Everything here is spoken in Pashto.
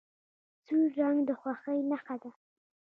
سور رنګ د خوښۍ نښه ده.